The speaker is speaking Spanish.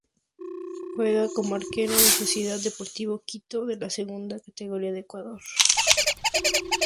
Juega como Arquero en Sociedad Deportivo Quito de la Segunda Categoría de Ecuador.